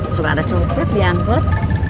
suka ada copet diangkut